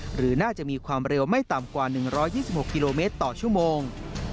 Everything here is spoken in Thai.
หรือน่าจะมีความเร็วไม่ต่ำกว่า๑๒๖กิโลเมตรต่อชั่วโมง